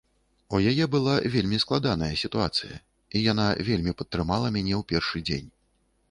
У яе была вельмі складаная сітуацыя, і яна вельмі падтрымала мяне ў першы дзень.